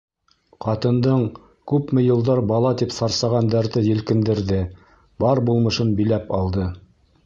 Ҡатындың күпме йылдар бала тип сарсаған дәрте елкендерҙе, бар булмышын биләп алды.